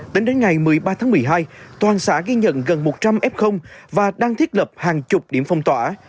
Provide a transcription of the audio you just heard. tính đến ngày một mươi ba tháng một mươi hai toàn xã ghi nhận gần một trăm linh f và đang thiết lập hàng chục điểm phong tỏa